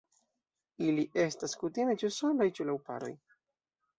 Ili estas kutime ĉu solaj ĉu laŭ paroj.